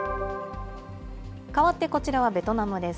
かわってこちらはベトナムです。